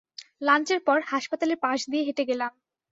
লাঞ্চের পর, হাসপাতালের পাশ দিয়ে হেঁটে গেলাম।